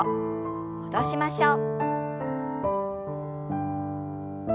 戻しましょう。